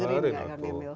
merasa didengerin gak